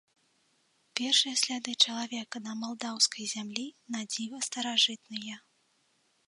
Першыя сляды чалавека на малдаўскай зямлі надзіва старажытныя.